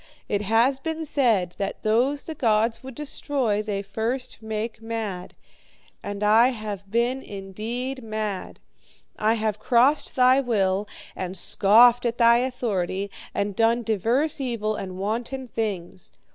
It has been said, that those the gods would destroy they first make mad. And I have been indeed mad. I have crossed thy will, and scoffed at thy authority, and done divers evil and wanton things.